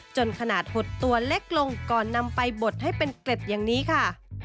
ขนาดหดตัวเล็กลงก่อนนำไปบดให้เป็นเกล็ดอย่างนี้ค่ะ